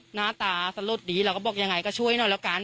หน้าตาสลดดีเราก็บอกยังไงก็ช่วยหน่อยแล้วกัน